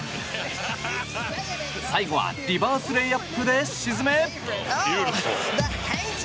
最後はリバースレイアップで沈め。